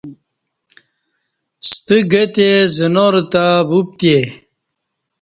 ستہ گہ تئے زنار تہ وپتئے۔